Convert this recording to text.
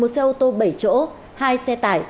một xe ô tô bảy chỗ hai xe tải